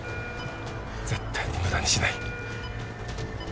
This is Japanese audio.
絶対に無駄にしない。